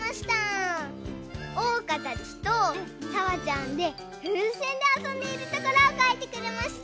おうかたちとさわちゃんでふうせんであそんでいるところをかいてくれました。